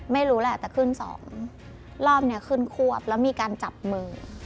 ไม่รู้แหละแต่ขึ้นสองรอบนี้ขึ้นควบแล้วมีการจับมือ